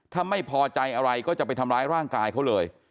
ถ้าไม่พอใจอะไรก็จะไปทำร้ายร่างกายเขาเลย